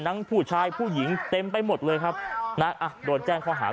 ผู้ชายผู้หญิงเต็มไปหมดเลยครับนะอ่ะโดนแจ้งข้อหา